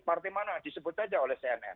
partai mana disebut saja oleh cnn